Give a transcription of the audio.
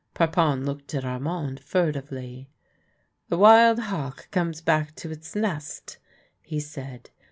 Parpon looked at Armand furtively. " The wild hawk comes back to its nest," he said.